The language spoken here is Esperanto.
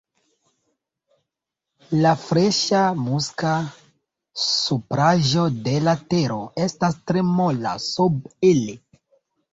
La freŝa muska supraĵo de la tero estas tre mola sub ili.